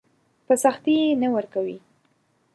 په سختي يې نه ورکوي.